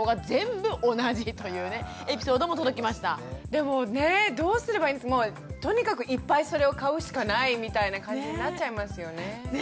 でもねどうすればいいとにかくいっぱいそれを買うしかないみたいな感じになっちゃいますよね。ね！